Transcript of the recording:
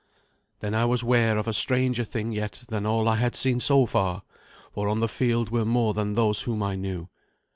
Then I was ware of a stranger thing yet than all I had seen so far, for on the field were more than those whom I knew.